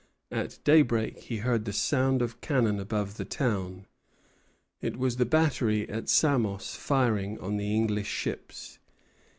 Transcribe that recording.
At daybreak he heard the sound of cannon above the town. It was the battery at Samos firing on the English ships.